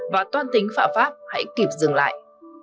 và toan tính phạm pháp hãy kịp dừng lại